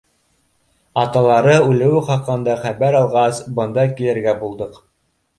— Аталары үлеүе хаҡында хәбәр алғас, бында килергә булдыҡ.